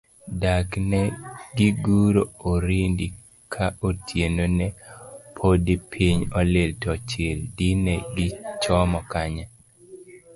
Dak ne giguro orindi, ka otieno ne podipiny olil to chil, dine gichomo kanye?